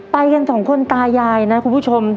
ไปกันสองคนตายายนะคุณผู้ชม